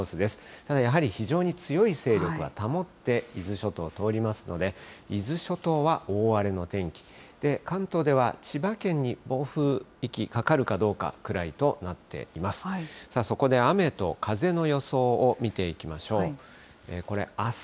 ただやはり、非常に強い勢力は保って伊豆諸島通りますので、伊豆諸島は大荒れの天気、関東では千葉県に暴風域かかるかどうかくらいとなっています。